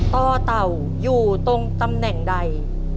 ต่อเต่าอยู่ตรงตำแหน่งใด